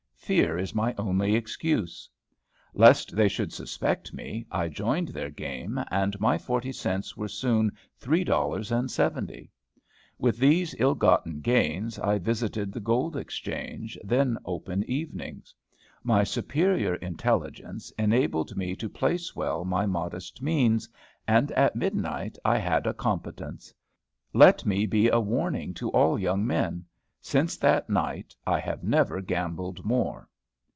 Fear is my only excuse. Lest they should suspect me, I joined their game, and my forty cents were soon three dollars and seventy. With these ill gotten gains, I visited the gold exchange, then open evenings. My superior intelligence enabled me to place well my modest means, and at midnight I had a competence. Let me be a warning to all young men. Since that night, I have never gambled more.